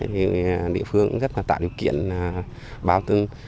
thế thì địa phương cũng rất là tạo điều kiện bao tiêu